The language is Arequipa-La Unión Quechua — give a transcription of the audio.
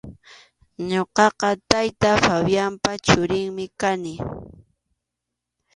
Ñuqaqa tayta Fabianpa churinmi kani.